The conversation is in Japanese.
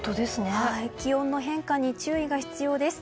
気温の変化に注意が必要です。